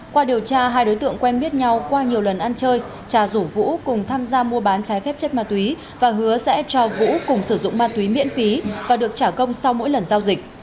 qua điều tra hai đối tượng quen biết nhau qua nhiều lần ăn chơi trà rủ vũ cùng tham gia mua bán trái phép chất ma túy và hứa sẽ cho vũ cùng sử dụng ma túy miễn phí và được trả công sau mỗi lần giao dịch